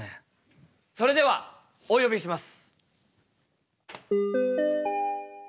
それではお呼びします。